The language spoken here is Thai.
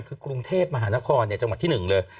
คือกรุงเทพมหานครจังหวัดที่๑เลย